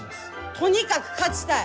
とにかく勝ちたい。